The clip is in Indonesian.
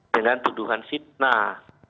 dengan tuduhan fitnah